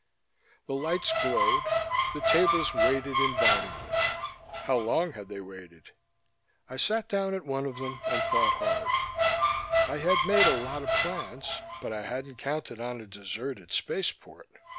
The lights glowed, the tables waited invitingly. How long had they waited? I sat down at one of them and thought hard. I had made a lot of plans, but I hadn't counted on a deserted spaceport.